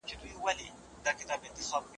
د اصولو پیژندل پوهه غواړي.